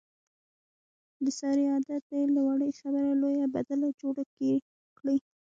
د سارې عادت دی، له وړې خبرې لویه بدله جوړه کړي.